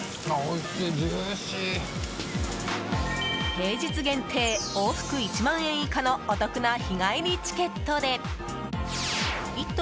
平日限定、往復１万円以下の超お得な日帰りチケットで「イット！」